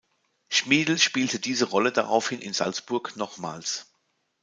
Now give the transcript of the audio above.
Schmiedl spielte diese Rolle daraufhin in Salzburg nochmals.